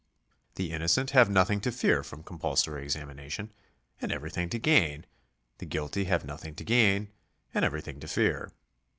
The innocent have nothing to fear from compulsory examination, and everything to gain ; the guilty have nothing to gain, and everything to fear.